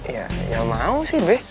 ya mau sih be